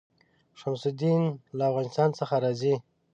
شمس الدین له افغانستان څخه راځي.